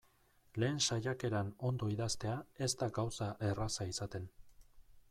Lehen saiakeran ondo idaztea ez da gauza erraza izaten.